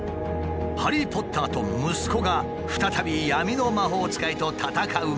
ハリー・ポッターと息子が再び闇の魔法使いと戦う物語。